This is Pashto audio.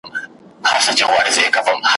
لادي په برخه توري شپې نوري ,